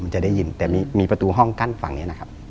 จะได้ยินแต่มีประตูห้องกั้นฝั่งนี้นะครับ